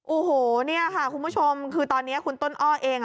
โอ้โหคุณผู้ชมคือตอนนี้คุณต้นอ้อเอง